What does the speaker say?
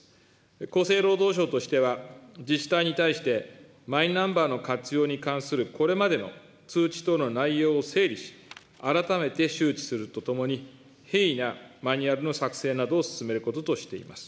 厚生労働省としては、自治体に対して、マイナンバーの活用に関するこれまでの通知等の内容を整理し、改めて周知するとともに、平易なマニュアルの作成などを進めることとしております。